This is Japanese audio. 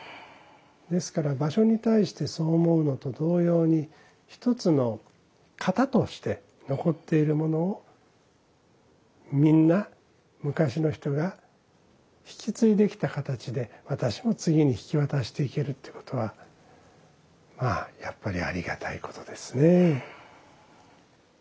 ですから場所に対してそう思うのと同様に一つの型として残っているものをみんな昔の人が引き継いできた形で私も次に引き渡していけるということはまあやっぱりありがたいことですね。